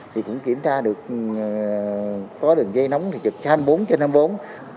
thì cũng kiểm tra được có đường dây nóng thì trực hai mươi bốn trên hai mươi bốn